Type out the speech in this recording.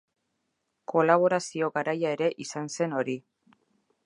Kolaborazio garaia ere izan zen hori.